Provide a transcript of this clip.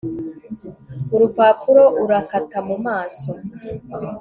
urupapuro Urakata mu maso